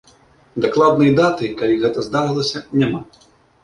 Дакладнай даты, калі гэта здарылася, няма.